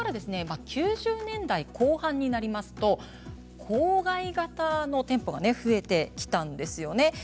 ９０年代後半になりますと郊外型の店舗が増えてきたんですよね。